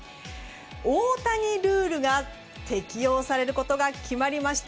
大谷ルールが適用されることが決まりました。